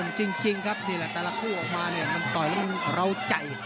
มากจริงครับนี่แหละแต่ละคู่ออกมาเนี่ยมันต่อยลงร้าวใจ